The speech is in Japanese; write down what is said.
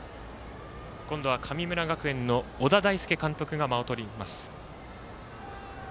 今度は神村学園の小田大介監督が間をとります。